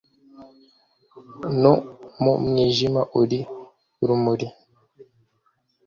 No mu mwijima uri rumuri